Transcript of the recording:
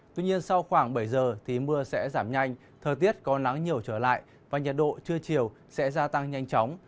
tuy nhiên sau khoảng bảy giờ thì mưa sẽ giảm nhanh thời tiết có nắng nhiều trở lại và nhiệt độ trưa chiều sẽ gia tăng nhanh chóng